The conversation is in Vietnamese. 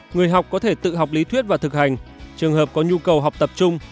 người học có thể tự học lý thuyết và thực hành trường hợp có nhu cầu học tập trung